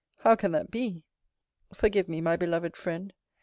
How can that be? Forgive me, my beloved friend.